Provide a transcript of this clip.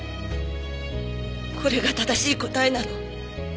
これが正しい答えなの。